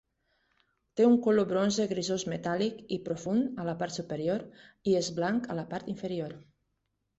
Té un color bronze grisós metàl·lic i profund a la part superior i és blanc a la part inferior.